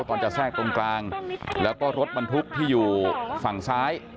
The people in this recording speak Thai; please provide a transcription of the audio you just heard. ก่อนจะแทรกตรงกลางแล้วก็รถบรรทุกที่อยู่ฝั่งซ้าย